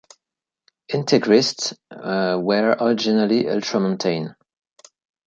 Integrists were originally ultramontane.